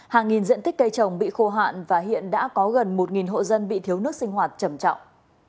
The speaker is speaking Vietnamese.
hàng nghìn diện tích cây trồng bị khô hạn và hiện đã có gần một hộ dân bị thiếu nước sinh hoạt trầm trọng